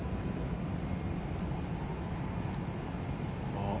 あっ。